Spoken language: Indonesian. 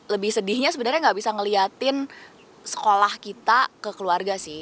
lebih sedihnya sebenarnya gak bisa ngeliatin sekolah kita ke keluarga sih